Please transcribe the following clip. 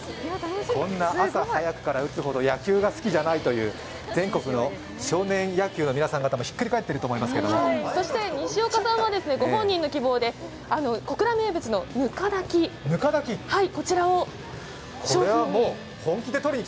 こんな朝早くから打つほど野球が好きじゃないという、全国の少年野球の皆さん方もひっくり返ってると思いますが西岡さんはご本人の希望で小倉名物のぬかだき、これを商品に。